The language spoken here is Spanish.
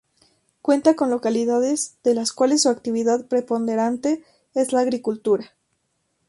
Cuenta con localidades de las cuales su actividad preponderante es la agricultura.